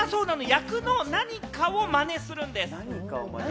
役の何かをまねするんです。